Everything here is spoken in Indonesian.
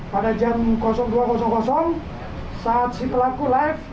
pada jam dua saat si pelaku live